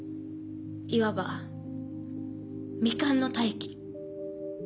いわば未完の大器。